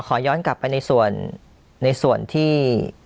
ขอย้อนกลับไปในส่วนที่